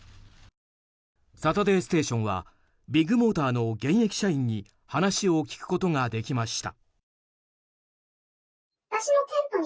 「サタデーステーション」はビッグモーターの現役社員に話を聞くことができました。